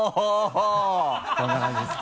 こんな感じです。